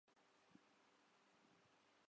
اس مہربانی کا شکریہ